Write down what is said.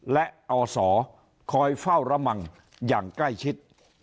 และอศคอยเฝ้าระวังอย่างใกล้ชิด